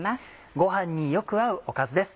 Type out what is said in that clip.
ご飯によく合うおかずです。